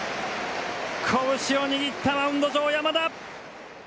拳を握った、マウンド上、山田。